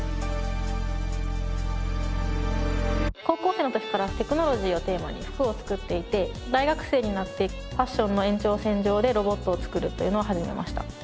高校生の時からテクノロジーをテーマに服を作っていて大学生になってファッションの延長線上でロボットを作るというのを始めました。